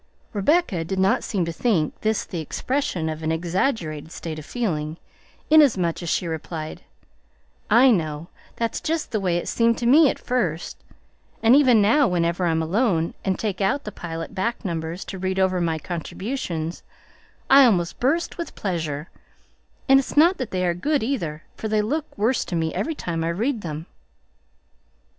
Rebecca did not seem to think this the expression of an exaggerated state of feeling, inasmuch as she replied, "I know; that's just the way it seemed to me at first, and even now, whenever I'm alone and take out the Pilot back numbers to read over my contributions, I almost burst with pleasure; and it's not that they are good either, for they look worse to me every time I read them."